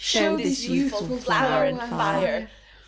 Show this youthful flower and fire